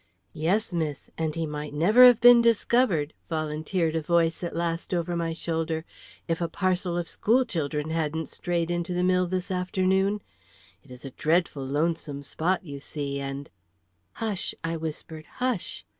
"Yes, miss, and he might never have been discovered," volunteered a voice at last, over my shoulder, "if a parcel of school children hadn't strayed into the mill this afternoon. It is a dreadful lonesome spot, you see, and " "Hush!" I whispered; "hush!"